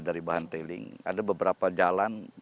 dari bahan tailing ada beberapa jalan